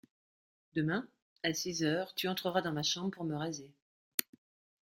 Demain, à six heures, tu entreras dans ma chambre pour me raser.